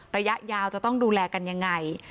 ระยะยาวจะต้องดูแลกันยังไง